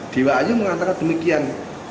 dewa ayu mengatakan demikian